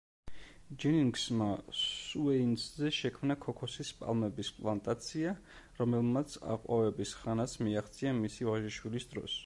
ჯენინგსმა სუეინსზე შექმნა ქოქოსის პალმების პლანტაცია, რომელმაც აყვავების ხანას მიაღწია მისი ვაჟიშვილის დროს.